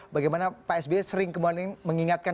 bagaimana pak sby sering kemudian mengingatkan